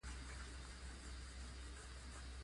پانګوال دغه پانګه بیا ځلي کاروي